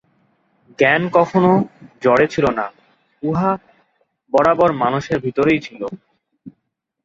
জ্ঞান কখনও জড়ে ছিল না, উহা বরাবর মানুষের ভিতরেই ছিল।